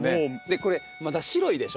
これまだ白いでしょ。